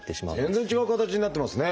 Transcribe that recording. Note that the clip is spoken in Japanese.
全然違う形になってますね。